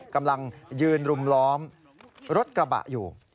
กำลังยืนรุมล้อมรถกระบะอยู่